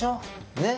ねっ。